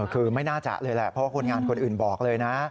คือไม่น่าจะเลยแหละเพราะว่าคนงานคนอื่นบอกเลยนะ